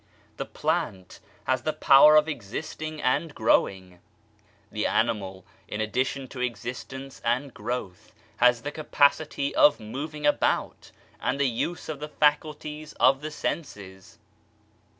The plant has the power of existing and growing. The animal, in addition to existence and growth, has the capacity of moving about, and the use of the faculties of the senses.